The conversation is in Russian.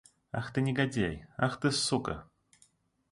Ах, ты негодяй! Ах, ты сука!